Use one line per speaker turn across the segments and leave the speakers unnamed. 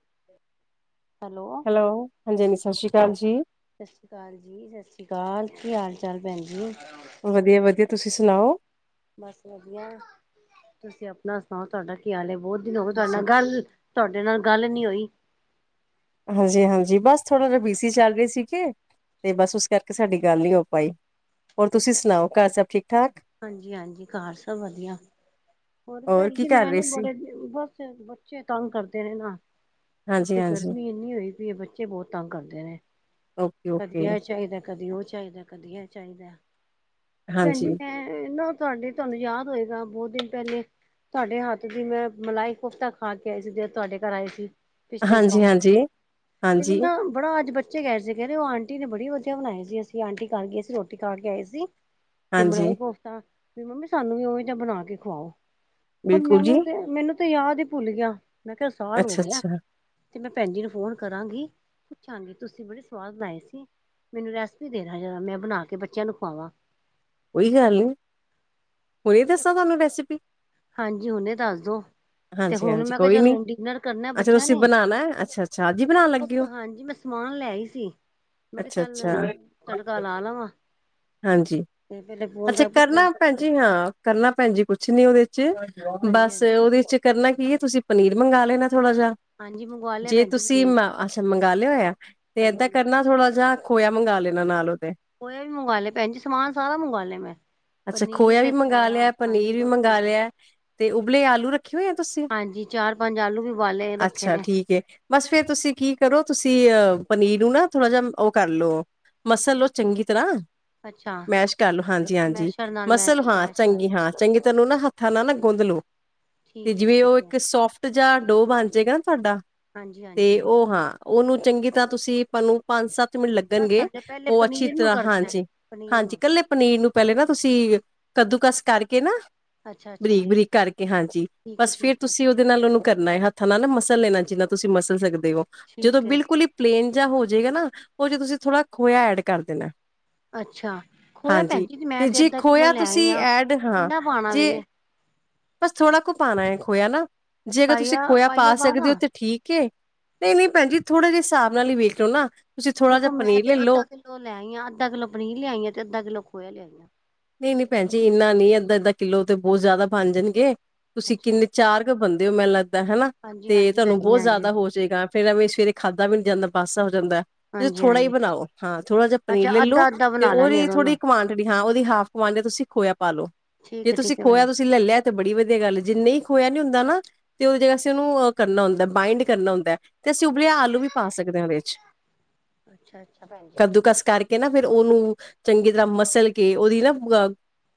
[inaudible] Hello,
ਹਾਂਜੀ ਹਾਂਜੀ ਸਤਿ ਸ਼੍ਰੀ ਅਕਾਲ ਜੀ
ਸਤਿ ਸ਼੍ਰੀ ਅਕਾਲ ਜੀ, ਸਤਿ ਸ਼੍ਰੀ ਅਕਾਲ ਕੀ ਹਾਲ ਚਾਲ ਭੈਣ ਜੀ
ਵਧੀਆ-ਵਧੀਆ ਤੁਸੀਂ ਸੁਣਾਓ
ਬਸ ਵਧੀਆ, ਤੁਸੀਂ ਆਪਣਾ ਸੁਣਾਓ ਤੁਹਾਡਾ ਕੀ ਹਾਲ ਬਹੁਤ ਦੀਨ ਤੁਹਾਡੇ ਨਾਲ ਗੱਲ, ਤੁਹਾਡੇ ਨਾਲ ਗੱਲ ਨੀ ਹੋਈ
ਹਾਂਜੀ-ਹਾਂਜੀ ਬਸ ਥੋੜ੍ਹਾ ਜ ਬੀਸੀ ਚੱਲ ਰੀ ਸੀਗੇ ਤੇ ਬਸ ਉਸ ਕਰਕੇ ਸਾਡੀ ਗੱਲ ਨੀ ਹੋ ਪਾਈ, ਹੋਰ ਤੁਸੀਂ ਸੁਣਾਓ ਘਰ ਸਭ ਠੀਕ ਠਾਕ
ਹਾਂਜੀ-ਹਾਂਜੀ, ਘਰ ਸਭ ਵਧੀਆ ਹੋਰ
ਹੋਰ
ਭੈਣ
ਕੀ
ਜੀ,
ਕਰ
ਮੈਂ
ਰਹੇ
ਨੀ
ਸੀ
ਬੜੇ ਬਸ ਬੱਚੇ ਤੰਗ ਕਰਦੇ ਨੇ ਨਾ
ਹਾਂਜੀ
ਇੱਥੇ
ਹਾਂਜੀ
ਗਰਮੀ ਇੰਨੀ ਹੋਈ ਪਈ ਹੈ, ਬੱਚੇ ਬਹੁਤ ਤੰਗ ਕਰਦੇ ਨੇ
ਓਕੇ
ਕਦੀ
ਓਕੇ
ਇਹ ਚਾਹੀਦਾ, ਕਦੀ ਉਹ ਚਾਹੀਦਾ, ਕਦੀ ਇਹ ਚਾਹੀਦਾ
ਹਾਂਜੀ
ਇਹ ਨਾ ਤੁਹਾਡੀੇ ਤੁਹਾਨੂੰ ਯਾਦ ਹੋਏਗਾ, ਬਹੁਤ ਦਿਨ ਪਹਿਲੇ ਤੁਹਾਡੇ ਹੱਥ ਦੀ ਮੈਂ ਮਲਾਈ ਕੋਫਤਾ ਖਾ ਕੇ ਆਈ ਸੀ, ਜਦੋ ਤੁਹਾਡੇ ਘਰ ਆਏ ਸੀ। ਪਿਛਲੇ
ਹਾਂਜੀ
ਸਾਲ,
ਹਾਂਜੀ
ਤੇ
ਹਾਂਜੀ
ਬੰਦਾ ਬੜਾ, ਅੱਜ ਬੱਚੇ ਬੱਚੇ ਕਹਿ ਸੀ, ਔਹ ਆਂਟੀ ਨੇ ਬੜੀ ਵਧੀਆ ਬਣਾਈ ਸੀ, ਅਸੀਂ ਆਂਟੀ ਕਰ ਗਏ ਅ ਸੀਂ, ਰੋਟੀ ਖਾ ਕੇ ਆਏ ਸੀ। ਤੇ ਮਲਾਈ
ਹਾਂਜੀ
ਕੋਫਤਾ, ਵੀ ਮੰਮੀ ਸਾਨੂੰ ਵੀ ਔਵੇ ਜਿਯਾ ਬਣਾ ਕੇ ਖਵਾਔ, ਹੁਣ
ਬਿਲਕੁਲ
ਮੈਨੂੰ
ਜੀ
ਤੇ ਮੈਨੂੰ ਤੇ ਯਾਦ ਹੀ ਭੁੱਲ ਗਿਆ, ਮੈਂ ਕਿਹਾ ਸਾਲ ਹੋ
ਅੱਛਾ
ਗਿਆ
ਅੱਛਾ
ਤੇ ਮੈਂ ਭੈਣ ਜੀ ਨੂੰ ਫੋਨ ਕਰਾਂਗੀ ਪੁੱਛਾਂਗੀ, ਤੁਸੀਂ ਬੜੇ ਸਵਾਦ ਬਣਾਏ ਸੀ ਮੈਨੂੰ ਰੈਸਪੀ ਦੇਣਾ ਜ਼ਰਾ, ਮੈਂ ਬਣਾ ਕੇ ਬੱਚਿਆਂ ਨੂੰ ਖੁਵਾਵਾਂ
ਕੋਈ ਗੱਲ ਨਹੀਂ, ਹੁਣ ਦੱਸਾਂ ਤੁਹਾਨੂੰ ਰੈਸਪੀ
ਹਾਂਜੀ, ਹੁਣੇ ਦੱਸ ਦੋ ਤੇ
ਹਾਂਜੀ
ਹੁਣ
ਹਾਂਜੀ
ਮੈਂ ਕਿਹਾ
ਕੋਈ
ਚੱਲ
ਨੀ
ਹੁਣ ਡਿਨਰ ਕਰਨਾ
ਅੱਛਾ
ਬੱਚਿਆਂ
ਤੁਸੀਂ
ਨੇ,
ਬਣਾਉਣਾ ਹੈ ਅੱਛਾ ਅੱਛਾ ਅੱਜ ਹੀ ਬਣਾਉਣ ਲੱਗੇ ਹੋ
ਹਾਂਜੀ ਮੈਂ ਸਮਾਨ ਲੈ ਆਈ ਸੀ, ਮੈਂ ਤੇ
ਅੱਛਾ
ਚੱਲ
ਅੱਛਾ
ਤੜਕਾ ਲਾ ਲਵਾਂ
ਹਾਂਜੀ
ਤੇ ਪਹਿਲੇ ਫੋਨ
ਅੱਛਾ
ਕਰ ਪੁੱਛਣਾ
ਕਰਨਾ ਭੈਣ ਜੀ ਹਾਂ ਕਰਨਾ ਭੈਣ ਜੀ, ਕੁਛ ਨੀ ਉਹਦੇ
ਹਾਂਜੀ
ਬਸ
ਹਾਂਜੀ
ਉਹਦੇ ਚ ਕਰਨਾ ਕੀ ਹੈ, ਤੁਸੀਂ ਪਨੀਰ ਮੰਗਵਾ ਲੈਣਾ ਥੋੜਾ ਜਹਾ,
ਹਾਂਜੀ ਮੰਗਵਾ ਲਿਆ
ਜੇ
ਭੈਣ ਜੀ
ਤੁਸੀਂ
ਪਨੀਰ ਤੇ
ਅੱਛਾ ਮੰਗ ਲਿਆ, ਤੇ ਏਦਾਂ
ਹਾਂਜੀ
ਕਰਨਾ ਥੋੜਾ ਜ ਖੋਇਆ ਮੰਗਵਾ ਲੈਣਾ ਨਾਲ ਉਹਦੇ
ਖੋਇਆ ਵੀ ਮੰਗਵਾ ਲੇਯਾ ਭੈਣ ਜੀ, ਸਮਾਨ ਸਾਰਾ ਮੰਗਵਾ ਲਏ ਮੈਂ
ਅੱਛਾ
ਪਨੀਰ
ਖੋਇਆ
ਤੇ
ਵੀ ਮੰਗਵਾ ਲਿਆ,
ਹਾਂਜੀ
ਪਨੀਰ ਵੀ
ਦੋਨੋ
ਮੰਗਵਾ
ਚੀਜ਼ਾਂ
ਲਿਆ, ਤੇ ਉਬਲੇ ਆਲੂ ਰੱਖਿਓ ਤੁਸੀਂ,
ਹਾਂਜੀ ਚਾਰ ਪੰਜ ਆਲੂ ਵੀ ਉਬਾਲੇ ਰੱਖੇ
ਅੱਛਾ
ਨੇ
ਠੀਕ ਹੈ, ਬਸ ਫੇਰ ਤੁਸੀਂ ਕੀ ਕਰੋ ਤੁਸੀਂ ਅ ਪਨੀਰ ਨੂੰ ਨਾ ਥੋੜਾ ਜਿਯਾ ਔ ਕਰ ਲੋ, ਮਸਲ ਲੋ ਚੰਗੀ ਤਰ੍ਹਾਂ
ਅੱਛਾ
ਮੈਸ਼ ਕਰ ਲੋ, ਹਾਂਜੀ ਹਾਂਜੀ
ਮੈਸ਼ਰ ਨਾਲ
ਮਸਲ
ਮੈਚ
ਹਾਂ
ਮੈਸ਼ ਕਰ
ਚੰਗੀ
ਲਏ
ਹਾਂ ਚੰਗੀ ਤੈਨੂੰ ਨਾ ਹੱ ਹੱਥਾਂ ਨਾਲ ਨਾ ਗੁੰਦ ਲੋ, ਤੇ
ਠੀਕ ਹੈ
ਜਿਵੇਂ
ਠੀਕ
ਔਹ
ਹੈ
ਇੱਕ ਸੋਫਟ ਜਹਾ ਡੋ ਬਣ ਜਾਗਾ ਨਾ ਤੁਹਾਡਾ
ਹਾਂਜੀ
ਤੇ
ਹਾਂਜੀ
ਔਹ, ਹਾਂ ਔਹ ਨੂੰ ਚੰਗੀ ਤਰ੍ਹਾਂ ਤੁਸੀਂ ਆਪ ਨੂੰ ਪੰਜ ਸੱਤ ਮਨ
ਬਸ
ਲੱਗਣਗੇ
ਹਲੇ ਪਹਿਲੇ
ਉਹ ਅੱਛੀ
ਪਨੀਰ ਨੂੰ
ਤਰ੍ਹਾਂ
ਕਰਨਾ ਹੈ,
ਹਾਂਜੀ
ਪਨੀਰ
ਹਾਂਜੀ
ਨੂੰ
ਇਕੱਲੇ ਪਨੀਰ ਨੂੰ ਪਹਿਲੇ ਨਾ ਤੁਸੀਂ ਕੱਦੂ ਕਸ ਕਰਕੇ ਨਾ
ਅੱਛਾ ਅੱਛਾ
ਬਰੀਕ ਬਰੀਕ ਕਰਕੇ ਹਾਂਜੀ
ਠੀਕ ਹੈ
ਬਸ ਫੇਰ
ਠੀਕ ਹੈ
ਤੁਸੀਂ ਉਹਦੇ ਨਾਲ ਉਹਨੂੰ ਕਰਨਾਏ ਹੱਥਾਂ ਨਾਲ ਨਾ ਮਸਲ ਲੈਣਾ ਜਿੰਨਾ ਤੁਸੀਂ ਮਸਲ ਸਕਦੇ ਦੇੋ ਜਦੋਂ
ਠੀਕ ਹੈ
ਬਿਲਕੁਲ ਹੀ ਪਲੇਨ ਜਿਹਾ ਹੋ ਜਾਏਗਾ ਨਾ ਉਹ ਚ ਤੁਸੀਂ ਥੋੜ੍ਹਾ ਖੋਇਆ ਐਡ ਕਰ ਦੇਣਾ
ਅੱਛਾ ਖੋਇਆ ਭੈਣ
ਹਾਂਜੀ
ਜੀ ਮੈਂ
ਤੇ ਜੇ
ਅੱਧਾ ਕਿੱਲੋ
ਖੋਇਆ
ਲੈ ਆਈ
ਤੁਸੀਂ
ਆ
ਐਡ ਹਾਂ
ਕਿੰਨਾ ਪਾਣਾ ਵੇ
ਜੇ ਬਸ ਥੋੜ੍ਹਾ ਕੁ ਪਾਉਣਾ ਹੈ ਖੋਇਆ ਨਾ ਜੇ ਅਗਰ ਤੁਸੀਂ
ਪਾਈਆ
ਖੋਇਆ
ਪਾਈਆ
ਪਾ ਸਕਦੇ
ਦਾ
ਹੋ ਤਾਂ ਠੀਕ ਹੈ ਨਹੀਂ ਨਹੀਂ ਭੈਣ ਜੀ ਥੋੜ੍ਹਾ ਜਿਹੇ ਹਿਸਾਬ ਨਾਲ ਹੀ ਵੇਖ ਲੋ ਨਾ ਥੋੜਾ
ਦੇਖੋ
ਜਿਹਾ
ਮੈਂ
ਪਨੀਰ
ਤੇ
ਲੈ
ਅੱਧਾ
ਲੋ
ਕਿੱਲੋ ਲੈਈ ਆ ਅੱਧਾ ਕਿੱਲੋ ਪਨੀਰ ਲਿਆਈ ਆ ਤੇ ਅੱਧਾ ਕਿੱਲੋ ਖੋਇਆ ਲਿਆਈਾਂ
ਨਹੀਂ ਨਹੀਂ ਭੈਣ ਜੀ ਇੰਨਾ ਨ ਅੱਧਾ ਅੱਧਾਂ ਕਿੱਲੋ ਤੇ ਬਹੁਤ ਜ਼ਿਆਦਾ ਬਣ ਜਾਣਗੇ ਤੁਸੀਂ
ਅੱਛਾ
ਕਿੰਨੇ ਚਾਰ ਕੁ ਬੰਦੇ ਹੋ ਮੈਨੂੰ ਲੱਗਦਾ ਹਨਾ
ਹਾਂਜੀ
ਤੇ
ਹਾਂਜੀ ਭੈਣ
ਤੁਹਾਨੂੰ
ਜੀ
ਬਹੁਤ
ਹਾਂਜੀ
ਜ਼ਿਆਦਾ ਹੋ ਜਾਏਗਾ ਫੇਿਰਵੇ ਖਾਧਾ ਵੀੀ ਜਾਂਦਾ ਪਾਸਾ ਜਾਂਦਾ ਤੁਸੀਂ
ਹਾਂਜੀ
ਥੋੜਾ ਹੀ
ਹਾਂਜੀ
ਬਣਾਓ ਹਾਂ ਥੋੜਾ ਜਿਹਾ
ਅੱਛਾ
ਪਨੀਰ
ਅੱਧਾ
ਲੈਲੋ
ਅੱਧਾ
ਤੇ
ਬਣਾ ਲੈਣੇ ਆ
ਉਹਦੀ
ਦੋਨੋਂ
ਥੋੜ੍ਹੀ ਕਵਾਂਟਿਟੀ ਹਾਂ ਉਹਦੀ ਹਾਫ਼ ਕਮੇ ਤੁਸੀਂ ਖੋਇਆ ਪਾ ਲੋ
ਠੀਕ
ਜੇ
ਹੈ
ਤੁਸੀਂ
ਠੀਕ ਹੈ ਭੈਣ
ਖੋਇਆ
ਜੀ
ਤੁਸੀਂ ਲੈ ਲਿਆ ਤੇ ਬੜੀ ਵਧੀਆ ਗੱਲ ਜਿੰ ਨਹੀਂ ਖਇਆ ਨਹੀਂ ਹੁੰ ਨਾ ਤੇ ਉਹ੍ਹਾ ਉਹਨੂੰ ਕਰਨਾ ਹੁੰਦਾ ਬਾਈੰਡ ਕਰਨਾ ਹੁੰਦਾ ਤੇ ਅਸੀਂ ਉਬਲੇਿਆ ਆਲੂ ਵੀ ਪਾ ਸਕਦੇ ਹਾਂ ਉਹਦੇ ਵਿੱਚ
ਅੱਛਾ ਅੱਛਾ ਭੈਣ ਜ
ਕਰਕੇ ਨਾ ਫ਼ਿਰ ਉਹਨੂੰ ਚੰਗੀ ਤਰ੍ਹਾਂ ਮਸਲ ਕੇ ਉਹਦੀ ਨਾ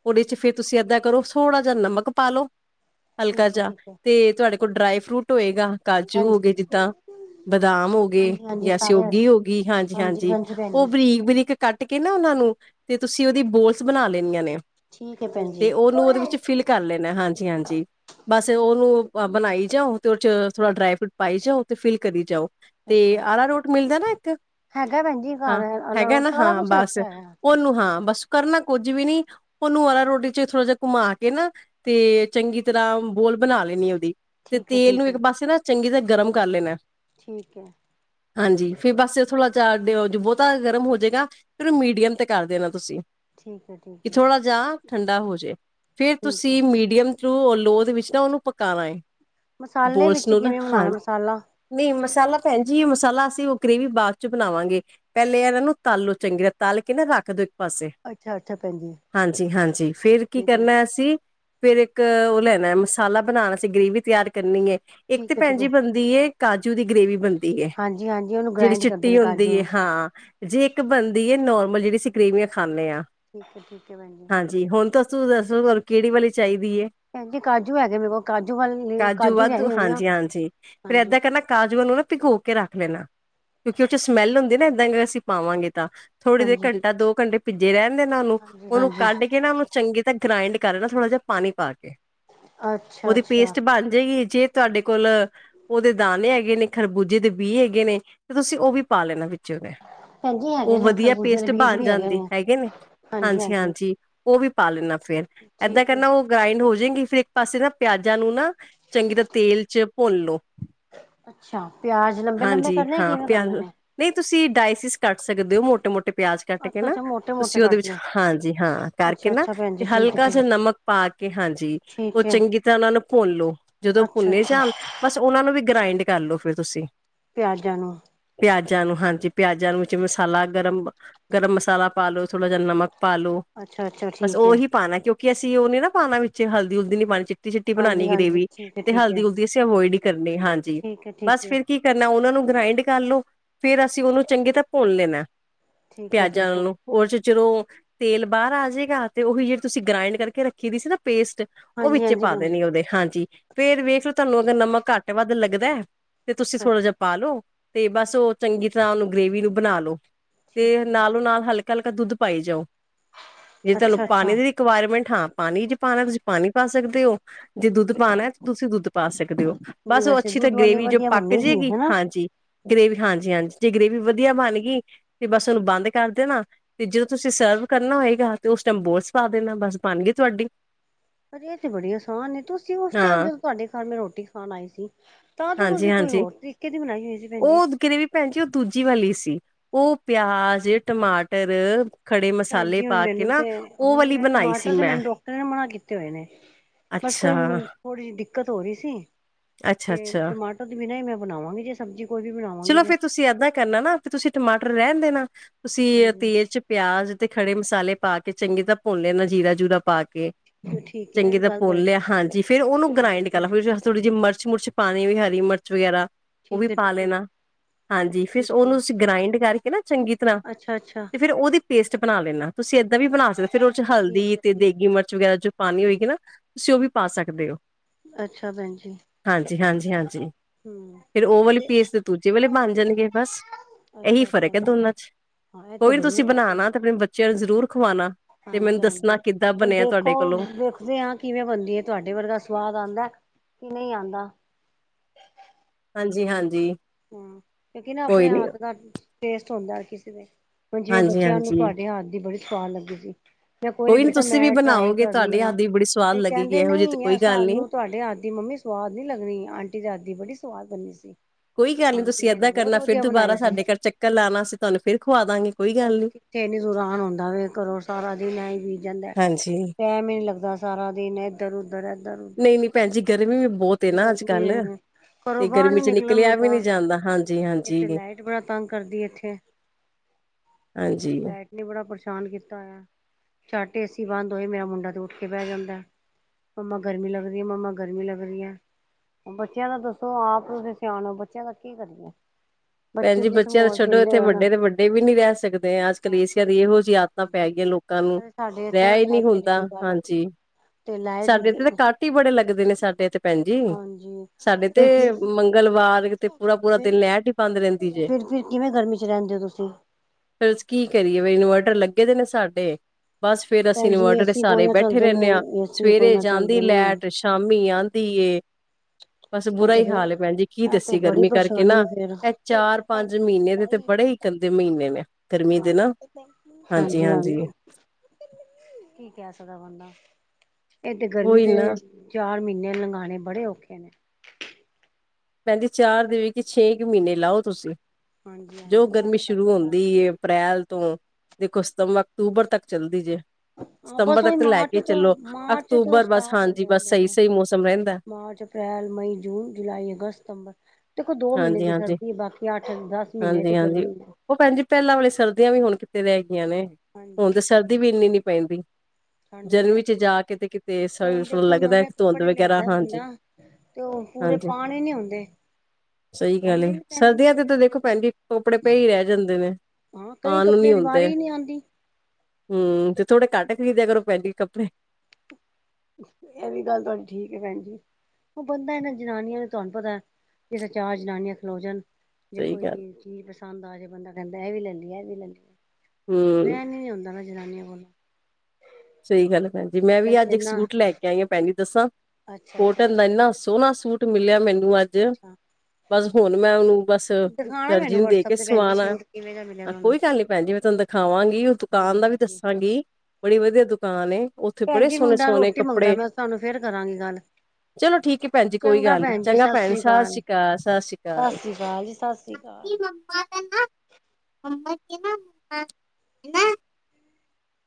ਉਹਦੇ ਚ ਫੇਿਰ ਤੁਸੀਂ ਇਏਦਾਂ ਕਰੋ ਥੋੜ੍ਹਾ ਜਿ ਨਮਕ ਪਾ ਲੋੋ
ਠੀਕ
ਹਲਕਾ
ਹੈ
ਚਾਹ
ਠੀਕ ਹੈ
ਤੇ ਤੁਹਾਡੇ ਕੋਲ ਡਰਾਈ ਫਰੂਟ ਹੋਏਗਾ ਕਾਜੂ ਹੋ
ਹਾਂਜੀ
ਗਏ ਜਿੱਦਾਂ ਬਦਾਮ ਹੋ ਗਏ
ਹਾਂਜੀ ਹਾਂਜੀ
ਜਾਂ
ਸਾਰੇ
ਸਿਓਗੀ ਹੋ ਗਈ ਹਾਂਜੀ ਹਾਂਜੀ ਉਹ ਬਰੀਕ ਬਰੀਕ ਕੱਟ ਕੇ ਨਾ ਤੁਹਾਨੂੰ ਤੇ ਤੁਸੀਂ ਉਹਦੀ ਬੋਲਸ ਬਣਾ ਲੈਣੀਆਂ ਨੇ
ਠੀਕ ਹੈ ਭੈਣ ਜੀ
ਤੇ ਉਹਨੂੰ ਉਹਦੇ ਵਿੱਚ ਫਿਲ ਕਰ ਲੈਣਾ ਹਾਂਜੀ ਹਾਂਜੀ ਬਸ ਉਹਨੂੰ ਬਣਾਈ ਜਾਓ ਅਤੇ ਉਹਦੇ 'ਚ ਥੋੜ੍ਹਾ ਡਰਾਈ ਫਰੂਟ ਪਾਈ ਜਾਓ, ਤੇ ਫਿਲ ਕਰੀ ਜਾਓ ਤੇ
ਅੱਛਾ
ਆਲਾ ਰੋਟ ਮਿਲਦਾ ਨਾ ਇੱਕ
ਹੈਗਾ ਭੈਣ ਜੀ
ਹਾਂ
ਘਰ
ਹੈਗਾ
ਅਰਾਰੋਟ
ਨਾ।
ਸਾਰਾ
ਹਾਂ!
ਕੁਛ
ਬਸ
ਰੱਖਿਆ ਹੋਇਆ
ਉਹਨੂੰ ਹਾਂ ਬਸ ਕਰਨਾ ਕੁਝ ਜਿਵੇ ਨੀ। ਉਹਨੂੰ ਨਾ ਆਰਾਰੋਤ ਚ ਥੋੜਾ ਜਿਹਾ ਘੁੰਮਾ ਕੇ ਨਾ ਤੇ ਚੰਗੀ ਤਰ੍ਹਾਂ ਬੋਲ ਬਣਾ ਲੈਣੀ ਉਹਦੀ। ਤੇ
ਠੀਕ ਹੈ
ਤੇਲ ਨੂੰ
ਠੀਕ
ਇੱਕ
ਹੈ
ਪਾਸੇ ਨਾ ਚੰਗੀ ਤਰ੍ਹਾਂ ਗਰਮ ਕਰ ਲੈਣਾ।
ਠੀਕ ਹੈ
ਹਾਂਜੀ! ਫਿਰ ਬਸ ਥੋੜ੍ਹਾ ਜਿਹਾ ਬਹੁਤਾ ਗਰਮ ਹੋ ਜਾਏਗਾ। ਫਿਰ ਮੀਡੀਅਮ ਤੇ ਕਰ ਦੇਣਾ ਤੁਸੀਂ।
ਠੀਕ ਹੈ ਠੀਕ
ਕਿ
ਹੈ
ਥੋੜ੍ਹਾ ਜਿਹਾ ਠੰਡਾ ਹੋ ਜਾਏ। ਫੇਿਰ
ਠੀਕ ਹੈ
ਤੁਸੀਂ ਮੀਡੀਅਮ ਲੋ ਦੇ ਵਿੱਚ ਨਾ ਉਹਨੂੰ ਪਕਾਣਾ ਏ।
ਮਸਾਲੇ
ਬੋਲਸ
ਵਿੱਚ
ਨੂੰ ਨਾ।
ਕਿਵੇਂ ਬਣਾਉਣਾ
ਹਾਂਜੀ!
ਮਸਾਲਾ
ਨਹੀਂ ਮਸਾਲਾ ਭੈਣਜੀ। ਮਸਾਲਾ ਅਸੀਂ ਉਹ ਗ੍ਰੇਵੀ ਬਾਅਦ ਚ ਬਣਾਵਾਂਗੇ। ਪਹਿਲੇ ਇਹਨਾਂ ਨੂੰ ਤਾਲ ਲੋ ਚੰਗੀ ਤਰ੍ਹਾਂ। ਤਾਲ ਕੇ ਨਾ ਰੱਖ ਦੋ ਇੱਕ ਪਾਸੇ।
ਅੱਛਾ ਅੱਛਾ ਭੈਣ ਜੀ
ਹਾਂਜੀ! ਹਾਂਜੀ! ਫੇਰ ਕੀ
ਠੀਕ ਹੈ
ਕਰਨਾ ਅਸੀਂ ਫੇਿਰ? ਇੱਕ ਉਹ ਲੈਣਾ ਮਸਾਲਾ ਬਣਾਣਾ ਸੀ। ਗ੍ਰੇਵੀ ਤਿਆਰ ਕਰਨੀ ਏ। ਇੱਕ ਤੇ
ਠੀਕ ਹੈ
ਭੈਣ
ਠੀਕ ਹੈ
ਜੀ ਬਣਦੀ ਏ! ਕਾਜੂ ਦੀ ਗ੍ਰੇਵੀ ਬਣਦੀ ਏ।
ਹਾਂਜੀ ਹਾਂਜੀ ਉਹਨੂੰ
ਜਿਹੜੀ
ਗ੍ਰਾਇੰਡ ਕਰਦੇ
ਚਿੱਟੀ
ਨੇ ਕਾਜੂ
ਹੁੰਦੀ ਹੈ।
ਨੂੰ
ਹਾਂ! ਜੇ ਇੱਕ ਬਣਦੀ ਹੈ ਨੋਰਮਲ। ਜਿਹੜੀ ਅਸੀ ਕਰੇਮੀਆਂ ਖਾਂਦੇ ਹਾਂ।
ਠੀਕ ਹੈ! ਠੀਕ ਹੈ! ਭੈਣ ਜੀ।
ਤੂੰ ਦੱਸੋ! ਕਰ ਕਿਹੜੀ ਵਾਲੀ ਚਾਹੀਦੀ ਏ?
ਭੈਣ ਜੀ ਕਾਜੂ ਹੈਗੇ ਮੇਰੇ ਕੋਲ ਕਾਜੂ ਵਾਲੇ
ਕਾਜੂ ਵਾਧੂ।
ਲਿਆਈ ਹੋਈ ਆ
ਹਾਂਜੀ! ਹਾਂਜੀ! ਫੇਰ
ਹਾਂਜੀ
ਏਦਾਂ ਕਰਨਾ ਕਾਜੂਆਂ ਨੂੰ ਨਾ ਭਿਗੋ ਕੇ ਰੱਖ ਲੈਣਾ। ਕਿਉਂਕਿ ਉਹ ਚੇ ਸਮੈਲ ਹੁੰਦੀ ਨਾ। ਇਏਦਾਂ ਅਸੀਂ ਪਾਵਾਂਗੇ। ਥੋੜੀ ਦੇਰ
ਹਾਂਜੀ
ਘੰਟਾ ਦੋ ਘੰਟੇ ਭਿੱਜੇ ਰਹਿੰਦੇ ਨਾ ਉਹਨੂੰ।
ਹਾਂਜੀ
ਉਹਨੂੰ
ਹਾਂਜੀ
ਕੱਢ ਕੇ ਨਾ ਉਹਨੂੰ ਚੰਗੇ ਤਾਂ ਗ੍ਰਾਇੰਡ ਕਰ ਕੇ ਨਾ ਥੋੜਾ ਜਹਾ ਪਾਣੀ ਪਾ ਕੇ
ਅੱਛਾ
ਉਹਦੀ
ਅੱਛਾ
ਪੇਸਟ ਬਣ ਜਾਏਗੀ। ਜੇ ਤੁਹਾਡੇ ਕੋਲ ਉਹਦੇ ਦਾਣੇ ਹੈਗੇ ਨੇ। ਖਰਬੂਜੇ ਦੇ ਬੀ ਹੈਗੇ ਨੇ। ਤੇ ਤੁਸੀਂ ਉਹ ਵੀ ਪਾ ਲੈਣਾ ਵਿੱਚ।
ਭੈਣ ਜੀ ਹੈਗੇ
ਉਹ
ਨੇ
ਵਧੀਆ
ਖਰਬੂਜੇ ਦੇ
ਪੇਸਟ
ਬੀਜ
ਬਣ
ਵੀ
ਜਾਂਦੀ। ਹੈਗੇ ਨੇ? ਹਾਂਜੀ! ਹਾਂਜੀ! ਉਹ ਵੀ ਪਾ ਲੈਣਾ। ਫੇਰ ਏਦਾਂ
ਠੀਕ ਹੈ
ਕਰਨਾ ਉਹ ਗ੍ਰਾਇੰਡ ਹੋ ਗੀ। ਫਿਰ ਇੱਕ ਪਾਸੇ ਨਾ ਪਿਆਜਾਂ ਨੂੰ ਨਾ ਚੰਗੀ ਤਰ੍ਹਾਂ ਤੇਲ ਚ ਭੁੰਨ ਲਓ।
ਅੱਛਾ ਪਿਆਜ ਲੰਬੇ ਲੰਬੇ
ਹਾਂਜੀ!
ਕਰਨੇ
ਹਾਂ,
ਕਿਵੇਂ
ਪਿਆ
ਕਰਨੇ ਨੇ
ਨਹੀਂ ਤੁਸੀਂ ਡਾਇਸਿਸ ਕੱਟ ਸਕਦੇ ਹੋ। ਮੋਟੇ ਮੋਟੇ ਪਿਆਜ ਕੱਟ ਕੇ
ਅੱਛਾ
ਨਾ
ਅੱਛਾ ਮੋਟੇ ਮੋਟੇ
ਤੁਸੀਂ ਉਹਦੇ ਵਿੱਚ।
ਕੱਟਣੇ
ਹਾਂਜੀ! ਹਾਂ, ਕਰਕੇ
ਅੱਛਾ
ਨਾ
ਅੱਛਾ ਭੈਣ
ਤੇ
ਜੀ ਠੀਕ
ਹਲਕਾ ਜਿਹਾ
ਠੀਕ
ਨਮਕ ਪਾ ਕੇ। ਹਾਂਜੀ! ਉਹ
ਠੀਕ ਹੈ
ਚੰਗੀ ਤਰ੍ਹਾਂ ਉਹਨਾਂ ਨੂੰ ਭੁੰਨ ਲੋ। ਜਦੋਂ
ਅੱਛਾ
ਭੁੰਨੇ
ਅੱਛਾ
ਜਾਨ ਬਸ ਉਹਨਾਂ ਨੂੰ ਵੀ ਗ੍ਰਾਇੰਡ ਕਰ ਲੋ ਫਿਰ ਤੁਸੀਂ
ਪਿਆਜਾਂ ਨੂੰ
ਪਿਆਜਾਂ ਨੂੰ। ਹਾਂਜੀ ਪਿਆਜਾਂ ਨੂੰ। ਵਿੱਚ ਮਸਾਲਾ, ਗਰਮ ਮਸਾਲਾ ਪਾ ਲੋਓ। ਥੋੜਾ ਜ ਨਮਕ ਪਾ ਲੋ।
ਅੱਛਾ ਅੱਛਾ
ਬਸ
ਠੀਕ ਹੈ
ਉਹੀ ਪਾਨੇ ਕਿਉਂਕਿ ਅਸੀਂ ਉਹ ਨੀ ਨਾ ਪਾਨਾ ਵਿੱਚ ਹਲਦੀ ਹੁਲਦੀ ਨੀ ਪਾਨੀ ਚਿੱ ਟੀ ਚਿੱਟੀ ਬਨਾਨੀ
ਹਾਂਜੀ ਹਾਂਜੀ
ਗਰੇਵੀ।
ਠੀਕ ਹੈ
ਤੇ
ਠੀਕ ਹੈ
ਹਲਦੀ ਹੁਲਦੀ ਅਸੀਂ ਅਵੋਇਡ- ਕਰਨੀ। ਹਾਂਜੀ
ਠੀਕ ਹੈ ਠੀਕ
ਬਸ
ਹੈ
ਫਿਰ ਕੀ ਕਰਨਾ ਉਹਨਾਂ ਨੂੰ? ਗ੍ਰਾਇੰਡ ਕਰ ਲੋ। ਫੇਰ ਅਸੀਂ ਉਹਨੂੰ ਚੰਗੀ ਤਰ ਭੁੰਨ ਲੈਨੇ।
ਠੀਕ ਹੈ! ਠੀਕ ਹੈ!
ਜਦੋਂ ਤੇਲ ਬਾਹਰ ਆ ਜਾਏਗਾ। ਤੇ ਉਹੀ ਜਿਹੜੀ ਤੁਸੀਂ ਗ੍ਰਾਇੰਡ ਕਰਕੇ ਰੱਖੀ ਦੀ ਸੀ ਨਾ ਪੇਸਟ, ਉਹ
ਹਾਂਜੀ
ਵਿੱਚ
ਹਾਂਜੀ
ਪਾ
ਭੈਣ ਜੀ
ਦੇਣੀ ਉਹਦੇ। ਹਾਂਜੀ! ਫੇਰ ਵੇਖ ਲੋ ਤੁਹਾਨੂੰ ਅਗਰ ਨਮਕ ਘੱਟ ਵੱਧ ਲੱਗੇ ਤੇ ਤੁਸੀਂ ਥੋੜ੍ਹਾ ਜਿਹਾ ਪਾਲੋ। ਤੇ ਬਸ ਉਹ ਚੰਗੀ ਤਰ੍ਹਾਂ ਉਹਨੂੰ ਗ੍ਰਰੇਵੀ ਨੂੰ ਬਨਾ ਲੋ। ਤੇ
ਠੀਕ ਹੈ
ਨਾਲੋਂ ਨਾਲ ਹਲਕਾ ਹਲਕਾ ਦੁੱਧ ਪਾਈ ਜਾਓ। ਜੇ ਤੁਹਾਨੂੰ
ਅੱਛਾ
ਪਾਨੀ
ਅੱਛਾ
ਦੀ ਰਿਕੁਆਇਰਮੈਂਟ ਹਾਂ! ਪਾਣੀ ਚੇ ਪਾਣਾ ਤੁਸੀਂ ਪਾਣੀ ਪਾ ਸਕਦੇ ਹੋ। ਜੇ ਦੁੱਧ ਪਾਨੇ ਤੁਸੀਂ ਦੁੱਧ ਪਾ ਸਕਦੇ ਹੋ।
ਨਹੀਂ
ਬਸ ਉਹ
ਵੈਸੇ
ਅੱਛੀ ਤਾਂ
ਦੁੱਧ ਵਾਲੀ
ਗ੍ਰੇਵੀ ਜੋ
ਵਧੀਆ
ਪੱਕ
ਬੰਨੇਗੀ
ਜੇਗੀ।
ਹਨਾ
ਹਾਂਜੀ! ਗਰੇਵੀ। ਹਾਂਜੀ! ਹਾਂਜੀ! ਜੇ ਗ੍ਰਰੇਵੀ ਵਧੀਆ ਬਣ ਗਈ ਤੇ ਬਸ ਉਹਨੂੰ ਬੰਦ ਕਰ ਦੇਨਾ। ਤੇ ਜਦੋਂ ਤੁਸੀਂ ਸਰਵ ਕਰਨਾ ਹੋਏਗਾ ਤੇ ਉਸ ਟਾਈਮ ਬੋਲਸ ਚ ਪਾ ਦੇਨਾ। ਬਸ ਬਨ ਗਈ ਤੁਹਾਡੀ।
ਪਰ ਇਹ ਤੇ ਬੜੀ ਆਸਾਨ ਨੇ। ਤੁਸੀਂ ਉਸ ਟਾਈਮ
ਹਾਂ।
ਜਦੋਂ ਤੁਹਾਡੇ ਘਰ ਮੈਂ ਰੋਟੀ ਖਾਨ ਆਈ ਸੀ ਤਾਂ ਤਾਂ
ਹਾਂਜੀ
ਤੁਸੀਂ ਕੋਈ ਹੋਰ ਤਰੀਕੇ ਦੀ ਬਣਾਈ ਹੋਈ ਸੀ ਭੈਨ ਜੀ।
ਗਰੇਵਈ ਭੈਨ ਜੀ ਉਹ ਦੂਜੀ ਵਾਲੀ ਸੀ। ਉਹ ਪਿਆਜ, ਟਮਾਟਰ ਖੜੇ ਮਸਾਲੇ
ਭੈਨਜੀ, ਹੁਣ
ਪਾ ਕੇ
ਮੈਨੂੰ
ਨਾ
ਤੇ!
ਉਹ ਵਾਲੀ ਬਣਾਈ ਸੀ
ਟਮਾਟਰ ਤੇ
ਮੈਂ
ਮੈਨੂੰ ਡਾਕਟਰ ਨੇ ਮਨਾ ਕੀਤੇ ਹੋਏ ਨੇ। ਬਸ
ਅੱਛਾ
ਕੋਈ ਥੋੜ੍ਹੀ ਜਿਹੀ ਦਿੱਕਤ ਹੋ ਰੀ ਸੀ।
ਅੱਛਾ
ਤੇ
ਅੱਛਾ
ਟਮਾਟਰ ਤੋਂ ਬਿਨਾਂ ਹੀ ਮੈਂ ਬਨਾਵਾਂਗੀ। ਜੇ ਸਬਜ਼ੀ ਕੋਈ ਵੀ ਬਨਾਵਾਂਗੀ ਤੇ।
ਫਿਰ ਤੁਸੀਂ ਟਮਾਟਰ ਰਹਿੰਦੇ ਨਾ। ਤੁਸੀਂ
ਹਾਂਜੀ
ਤੇਲ ਚ ਪਿਆਜ ਤੇ ਖੜੇ ਮਸਾਲੇ ਪਾ ਕੇ ਚੰਗੀ ਤਰ੍ਹਾਂ ਭੁੰਨ ਲੈਂਣਾ। ਜੀਰਾ ਜੁਰਾ ਪਾ ਕੇ
ਬਿਲਕੁਲ ਠੀਕ ਹੈ ਇਹ
ਚੰਗੀ
ਵੀ
ਤਾਂ
ਗੱਲ
ਭੁਨ ਲਿਆ।
ਤੁਹਾਡੀ
ਹਾਂਜੀ! ਫੇਿਰ ਉਹਨੂੰ ਗ੍ਰਾਇੰਡ ਕਰ ਲਿਆ। ਫਿਰ ਥੋੜ੍ਹੀ ਜਿਹੀ ਮਰਚ ਮਿਰਚ-ਮੁਰਚ ਪਾਨੀ ਵੀ ਹਰੀ ਮਿਰਚ ਵਗੈਰਾ ਉਹ ਵੀ
ਠੀਕ ਹੈ ਠੀਕ ਹੈ
ਪਾ
ਠੀਕ ਹੈ
ਲੈਣਾ। ਹਾਂਜੀ, ਫਿਰ
ਠੀਕ ਹੈ
ਉਹਨੂੰ ਅਸੀਂ ਗ੍ਰਾਇੰਡ ਕਰਕੇ ਨਾ ਚੰਗੀ ਤਰ੍ਹਾਂ
ਅੱਛਾ ਅੱਛਾ
ਤੇ ਫੇਰ ਉਹਦੀ ਪੇਸਟ ਬਣਾ ਲੈਣਾ, ਤੁਸੀਂ ਏਦਾਂ ਵੀ ਬਣਾ ਸਕਦੇ ਹੋ, ਫਿਰ ਉਹ ਚ
ਠੀਕ
ਹਲਦੀ
ਹੈ
ਤੇ
ਠੀਕ
ਦੇਗੀ ਮਿਰਚ ਵਗੈਰਾ ਜੋ ਪਾਨੀ ਹੋਏਗੀ ਨਾ, ਤੁਸੀਂ ਉਹ ਵੀ ਪਾ ਸਕਦੇ ਹੋ।
ਅੱਛਾ, ਬੈ
ਹਾਂਜੀ, ਹਾਂਜੀ, ਹਾਂਜੀ।
ਹਮ
ਫਿਰ ਉਹ ਵਾਲੇ ਪੇਸ ਦੇ ਦੂਜੇ ਵਾਲੇ ਬਣ ਜਾਨਗੇ ਬਸ। ਇਹੀ
ਅੱਛਾ
ਫ਼ਰਕ
ਅੱਛਾ
ਹੈ ਦੋਨਾਂ ਚ।
ਹਾਂ ਇਹ ਤੇ
ਕੋਈ ਨੀ
ਬੜੀ
ਤੁਸੀਂ
ਹਾਂਜੀ
ਬਨਾਨਾ, ਤੇ ਅਪਨੇ ਬੱਚਿਆਂ ਨੂੰ ਜ਼ਰੂਰ ਖਵਾਣਾ। ਤੇ ਮੈਨੂੰ ਦੱਸਨਾ
ਹਾਂਜੀ
ਕਿੱਦਾਂ
ਹੁਣ
ਬਣਿਆ
ਦੇਖੋ,
ਤੁਹਾਡੇ ਕੋਲੋਂ
ਦੇਖਦੇ ਹਾਂ ਕਿਵੇਂ ਬਨਦੀ ਏ? ਤੁਹਾਡੇ ਵਰਗਾ ਸਵਾਦ ਆਂਦੇ ਕਿ ਨਹੀਂ ਆੰ ਦਾ।
ਹਾਂਜੀ, ਹਾਂਜੀ।
ਹੂੰ, ਕਿਉਂਕਿ ਨਾ ਅਪਨੇ ਹੱਥ ਦਾ ਟੇਸਟ ਹੁੰਦਾ ਹਰ ਕਿਸੇ ਦੇ ਹੁਨ ਜਿਵੇਂ ਬੱਚਿਆਂ ਨੂੰ
ਹਾਂਜੀ-ਹਾਂਜੀ।
ਤੁਹਾਡੇ ਹੱਥ ਦੀ ਬੜੀ ਸੁਆਦ ਲੱਗੀ ਸੀ। ਮੈਂ ਕੋਈ ਨੀ ਬੇਟਾ
ਤੁਸੀਂ ਵੀ
ਮੈਂ ਟਰਾਈ
ਬਣਾਓਗੇ
ਕਰਨੀ
ਤੁਹਾਡੇ
ਆ,
ਹੱਥ ਦੀ ਬੜੀ ਸਵਾਦ
ਤੇ
ਲੱਗੇਗੀ
ਕਹਿੰਦੇ
ਇਹੋ ਜਿਹੀ ਤੇ
ਨਹੀਂ
ਕੋਈ ਗੱਲ ਨੀ।
ਸਾਨੂੰ ਤੁਹਾਡੇ ਹੱਥ ਦੀ ਮੰਮੀ ਸਵਾਦ ਨੀ ਲੱਗਨੀ, ਆਂਟੀ ਦੇ ਹੱਥ ਦੀ ਬੜੀ ਸਵਾਦ ਬਨੀ ਸੀ।
ਕੋਈ ਗੱਲ ਨਹੀਂ,
ਆਂਟੀ
ਤੁਸੀਂ
ਨੇ
ਏਦਾਂ
ਬਹੁਤ
ਕਰਨਾ ਫਿਰ
ਵਧੀਆ ਬਣਾਈ
ਦੁਬਾਰਾ
ਸੀ
ਸਾਡੇ ਘਰ ਚੱਕਰ ਲਾਨਾ, ਅਸੀਂ ਤੁਹਾਨੂੰ ਫਿਰ ਖੁਵਾ ਦਾਂਗੇ ਕੋਈ ਗੱਲ ਨੀ।
ਏਨੀ ਦੂਰ ਆਨ ਹੁੰਦਾ ਵੇ, ਘਰੋਂ ਸਾਰਾ ਦਿਨ ਏ ਵੇ ਈ ਜਾਂਦਾ,
ਹਾਂਜੀ
ਟੈਮ ਹੀ ਨੀ ਲੱਗਦਾ ਸਾਰਾ ਦਿਨ ਏਧਰ-ਉਧਰ, ਏਧਰ-ਉਧਰ।
ਨਈ-ਨਈ ਭੈਣ ਜੀ ਗਰਮੀ ਵੀ ਬਹੁਤ ਏ ਨਾ ਅੱਜ ਕੱਲ।
ਘਰੋਂ
ਤੇ
ਬਾਹਰ
ਗਰਮੀ
ਨੀ
ਚ
ਨਿਕਲਣ
ਨਿਕਲਿਆ ਵੀ ਨਹੀਂ
ਹੁੰਦਾ
ਜਾਂਦਾ। ਹਾਂਜੀ,
ਇੱਥੇ
ਹਾਂਜੀ।
ਲਾਈਟ ਬੜਾ ਤੰਗ ਕਰਦੀ ਇੱਥੇ।
ਹਾਂਜੀ
ਲਾਈਟ ਨੇ ਬੜਾ ਪਰੇ ਸ਼ਾਨ ਕੀਤਾ ਹੋਇਆ। ਚੱਟ ਏ ਸੀ ਬੰਦ ਹੋਏ ਮੇਰਾ ਮੁੰਡਾ ਤੇ ਉੱਠ ਕੇ ਬਹਿ ਜਾਂਦੇ। ਮੰਮਾ ਗਰਮੀ ਲੱਗ ਰਹੀ ਹੈ, ਮੰਮਾ ਗਰਮੀ ਲੱਗ ਰਹੀ ਹੈ। ਬੱਚਿਆਂ ਦਾ ਦੱਸੋ, ਆਪ ਤੁਸੀਂ ਸਿਆਣੋ ਬੱਚਿਆਂ ਦਾ ਕੀ ਕਰੀਏ? ਬੱਚੇ
ਭੈਣਜੀ
ਜਿਸ
ਬੱਚਿਆਂ ਤਾਂ
ਮੌਤ
ਛੱਡੋ,
ਝੱਲੇ
ਇੱਥੇ
ਹੋਏ ਨਾ
ਵੱਡੇ ਤੇ ਵੱਡੇ ਵੀ ਨੀ ਰਹਿ ਸਕਦੇ ਆ, ਅੱਜ-ਕੱਲ ਏ ਸੀ ਆ
ਹਾਂਜੀ।
ਦੀ ਇਹੋ ਜਿਹੀ ਆਦਤਾਂ ਪੈ
ਹਾਂਜੀ,
ਗਈਆਂ ਲੋਕਾਂ ਨੂੰ,
ਅਰੇ ਸਾਡੇ ਇੱਥੇ ਨਾ
ਰਹਿ ਹੀ ਨਹੀਂ
ਲਾਈਟ ਚਲੀ
ਹੁੰਦਾ,
ਗਈ ਕੱਲ
ਹਾਂਜੀ।
ਤੇ ਲਾਈਟ
ਸਾਡੇ ਇੱਥੇ ਤਾਂ ਕੱਟ ਈ ਬੜੇ ਲੱਗਦੇ ਨੇ, ਸਾਡੇ ਇਥੇ ਪੈ ਜੀ।
ਹਾਂਜੀ।
ਸਾਡੇ ਤੇ
ਫਿਰ ਕੀ
ਮੰਗਲਵਾਰ ਤੇ ਪੂਰਾ-ਪੂਰਾ
ਫਿਰ
ਦਿਨ ਲੈਟ ਬੰਦ ਰਹਿੰਦੀ ਜੇ
ਫਿਰ ਫਿਰ ਕਿਵੇਂ ਗਰਮੀ ਚ ਰਹਿੰਦੇ ਹੋ ਤੁਸੀਂ
ਫੇਰ ਕੀ ਕਰੀਏ ਵੀ ਇਨਵਰਟਰ ਲ ਲੱਗੇ ਦੇ ਨੇ ਸਾਡੇ ਬਸ ਫੇਰ ਅਸੀਂ
ਭੈਣ ਜੀ
ਇਨਵਰਟਰ
ਏਸੀ ਕੋਈ
ਸਾਰੇ
ਨਾ
ਬੈਠੇ
ਚੱਲਦੇ
ਰਹਿਨੇ ਆ,
ਨੇ ਏਸੀ ਕੋਈ
ਸਵੇਰੇ
ਨਾ
ਜਾਂਦੀ
ਚੱਲਦੇ ਨੇ।
ਲੈਟ, ਸ਼ਾਮੀ ਆਂਦੀ ਏ, ਬਸ
ਇਹ
ਬੁਰਾ
ਤੇ
ਹੀ
ਫਿਰ
ਹਾਲ ਏ ਭੈਣ ਜੀ ਕੀ
ਇਹ ਤੇ
ਦੱਸੀਏ
ਬੜੀ
ਗਰਮੀ ਕਰਕੇ
ਪਰੇਸ਼ਾਨੀ
ਨਾ
ਫੇਰ
ਇਹ ਚਾਰ-ਪੰਜ ਮਹੀਨੇ ਦੇ, ਤੇ ਬੜੇ ਹੀ ਗੰਦੇ ਮਹੀਨੇ ਨੇ। ਗਰਮੀ ਦੇ
ਹਾਂਜੀ।
ਨਾ
ਹਾਂਜੀ,
ਹਾਂਜੀ-ਹਾਂਜੀ
ਹਾਂਜੀ। ਕੀ ਕਹਿ ਸਕਦਾ ਬੰਦਾ? ਏਥੇ ਗਰਮੀ
ਉਹੀ ਨਾ
ਦੇ ਚਾਰ ਮਹੀਨੇ ਲੰਘਾਣੇ ਬੜੇ ਔਖੇ ਨੇ।
ਭੈਣਜੀ, ਚਾਰ ਦੇ ਵਿੱਚ ਛੇ ਕੁ ਮਹੀਨੇ ਲਾਓ ਤੁਸੀਂ
ਹਾਂਜੀ
ਜੋ
ਹਾਂਜੀ ਆ
ਗਰਮੀ
ਤੇ ਤੁਹਾਡੀ
ਸ਼ੁਰੂ
ਗੱਲ
ਹੁੰਦੀ ਹੈ ਅਪ੍ਰੈਲ ਤੋਂ ਦੇਖੋ ਸਤੰਮਰ-ਅਕਤੂਬਰ ਤੱਕ ਚੱਲਦੀ ਜੇ।
[inaudible] ਹਾਂ
ਸਤੰਬਰ
ਬਸ ਉਹੀ
ਤੱਕ ਲੈ
ਮਾਰਚ
ਕੇ
ਤੋਂ,
ਚਲੋ
ਮਾਰਚ ਤੋਂ
ਅਕਤੂਬਰ ਬਸ
ਸਟਾਰਟ ਹੋ
ਹਾਂਜੀ ਬਸ
ਜਾਂਦੇ ਨੇ,
ਸਹੀ-ਸਹੀ ਮੌਸਮ ਰਹਿੰਦਾ
ਮਾਰਚ, ਅਪ੍ਰੈਲ ਮਈ, ਜੂਨ, ਜੁਲਾਈ, ਅਗਸਤ, ਸਤੰਬਰ। ਦੇਖੋ ਦੋ ਮਹੀਨੇ
ਹਾਂਜੀ,
ਦੀ
ਹਾਂਜੀ।
ਸਰਦੀ ਬਾਕੀ ਅੱਠ ਦਸ ਮਹੀਨੇ
ਹਾਂਜੀ,
ਤੇ
ਹਾਂਜੀ,
ਗਰਮੀ ਹੈ
ਉਹ ਭੈਣਜੀ ਪਹਿਲਾਂ ਵਾਲੀ ਸਰਦੀਆਂ ਵੀ ਹੁਣ ਕਿਤੇ ਰਹਿ ਗੀਆਂ ਨੇ,
ਹਾਂਜੀ
ਹੁਣ ਤੇ
ਹਾਂਜੀ
ਸਰਦੀ ਵੀ ਇੰਨੀ ਨੀ ਪੈਂਦੀ।
ਠੰਡ ਨੀ
ਜਨਵੀ ਚ ਤੇ ਜਾ
ਪੈਂਦੀ
ਕਿਤੇ
ਹੁਣ ਦੇਖੋ
ਲੱਗਦਾ ਹੈ
ਨਵੇਂ
ਧੁੰਦ
ਕੱਪੜੇ
ਵਗੈਰਾ,
ਲਿਆਂਦਾ
ਹਾਂਜੀ।
ਬੰਦਾ ਤੇ ਪੂਰੇ ਪਾਣ ਹੀ ਨੀ ਹੁੰਦੇ।
ਸਹੀ ਗੱਲ ਏ,
ਠੰਡੀ ਨੀ ਪੈਂਦੀ
ਸਰਦੀਆਂ ਤੇ ਤਾਂ ਦੇਖੋ ਭੈਨਜੀ ਕੱਪੜੇ ਪਏ ਹੀ ਰਹਿ ਜਾਂਦੇ ਨੇ।
ਹਾਂ, ਕਈ
ਪਾਣ ਨੂੰ
ਕੱਪੜਿਆਂ
ਨੀ
ਦੀ
ਹੁੰਦੇ
ਵਾਰੀ ਹੀ ਨਹੀਂ ਆਂਦੀ।
ਹੂੰ, ਤੇ ਥੋੜਾ ਘੱਟ ਖ਼ਰੀਦਿਆ ਕਰੋ ਪੈਂਦੀ ਕੱਪੜੇ
ਇਹ ਵੀ ਗੱਲ ਤੁਹਾਡੀ ਠੀਕ ਹੈ, ਭੈਣ ਜੀ। ਉਹ ਬੰਦਾ ਇਹਨਾਂ ਜਨਾਨੀਆਂ ਨੂੰ ਤੁਹਾਨੂੰ ਪਤਾ ਏ, ਜਿਥੇ ਚਾਰ ਜਨਾਨੀਆਂ ਖਲੋ ਜਾਣ ਜੇ
ਸਹੀ
ਕੋਈ
ਗੱਲ
ਚੀਜ਼ ਪਸੰਦ ਆ ਜੇ ਬੰਦਾ ਕਹਿੰਦਾ ਇਹ ਵੀ ਲਲੀਏ, ਆ ਇਹ ਵੀ ਲਲੀਐ।
ਹੂੰ।
ਰਹਿਣ ਨੀ ਨ ਹੁੰਦਾ, ਨਾ ਜਨਾਨੀਆਂ ਕੋਲ
ਸਹੀ ਗੱਲ ਭੈਣ ਜੀ, ਮੈਂ ਵੀ ਅੱਜ ਇੱਕ ਸੂਟ ਲੈ ਕੇ ਆਈ ਆ ਭੈਣਜੀ, ਦੱਸਾਂ
ਅੱਛਾ ਅੱਛਾ
ਕੋਟਨ ਦਾ ਇੰਨਾ ਸੋਹਣਾ ਸੂਟ ਮਿਲਿਆ ਮੈਨੂੰ ਅੱਜ।
ਅੱਛਾ
ਬਸ ਹੁਣ ਮੈਂ ਉਹਨੂੰ, ਬਸ
ਦਿਖਾਣਾ
ਦਰਜੀ
ਮੈਨੂੰ
ਨੂੰ ਦੇ
ਵਟਸਐਪ
ਕੇ
ਤੇ ਭੈਣ ਜੀ
ਸਵਾਨਾ।
ਸੂਟ ਕਿਵੇਂ ਦਾ ਮਿਲਿਆ ਤੁਹਾਨੂੰ
ਕੋਈ ਗੱਲ ਨੀ ਭੈਣ ਜੀ ਮੈਂ ਦਿਖਾਵਾਂਗੀ, ਉਹ
ਹਾਂਜੀ
ਦੁਕਾਨ ਦਾ ਵੀ
ਹਾਂਜੀ
ਦੱਸਾਂਗੀ ਬੜੀ ਵਧੀਆ ਦੁਕਾਨ ਏ। ਉੱਥੇ
ਭੈਣ
ਬੜੇ
ਜੀ ਮੁੰਡਾ
ਸੋਹਣੇ-ਸੋਹਣੇ
ਰੋਟੀ ਮੰਗਦਾ,
ਕੱਪੜੇ
ਮੈਂ ਤੁਹਾਨੂੰ ਫੇਰ ਕਰਾਂਗੀ ਗੱਲ।
ਚਲੋ ਠੀਕ ਹੈ ਭੈਣ ਜੀ, ਕੋਈ
ਚੰਗਾ
ਗੱਲ ਨੀ,
ਜੀ
ਚੰਗਾ
ਸਤਿ
ਭੈਣ,
ਸ੍ਰੀ
ਸਸ੍ਰੀ ਅਕਾਲ, ਸਸ੍ਰੀ
ਸਤਿ
ਅਕਾਲ।
ਸ੍ਰੀ ਅਕਾਲ ਜੀ ਸਤਿ ਸ੍ਰੀ
ਕੀ
ਅਕਾਲ
ਮੰਮਾ ਨੇ ਨਾ, ਮੰਮਾ ਕੀ ਨਾ, ਨਾ